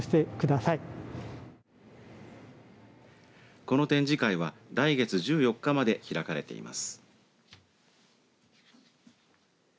この展示会は来月１４日まで開かれています。